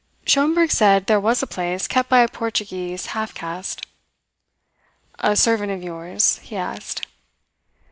Schomberg said there was a place kept by a Portuguese half caste. "A servant of yours?" he asked.